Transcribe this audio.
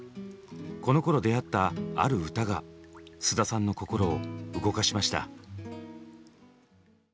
このころ出会ったある歌が菅田さんの心を動かしました。